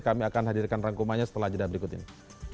kami akan hadirkan rangkumannya setelah jeda berikut ini